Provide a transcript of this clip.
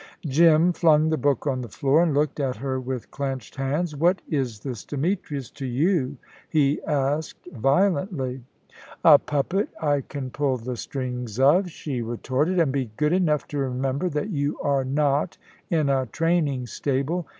Jim flung the book on the floor, and looked at her with clenched hands. "What is this Demetrius to you?" he asked violently. "A puppet I can pull the strings of," she retorted; "and be good enough to remember that you are not in a training stable."